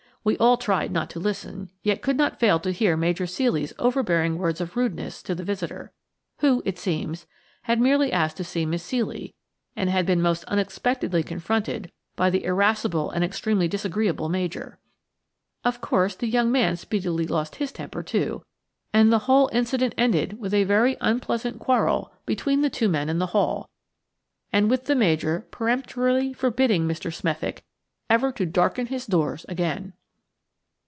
We all tried not to listen, yet could not fail to hear Major Ceely's overbearing words of rudeness to the visitor, who, it seems, had merely asked to see Miss Ceely, and had been most unexpectedly confronted by the irascible and extremely disagreeable Major. Of course, the young man speedily lost his temper, too, and the whole incident ended with a very unpleasant quarrel between the two men in the hall, and with the Major peremptorily forbidding Mr. Smethick ever to darken his doors again.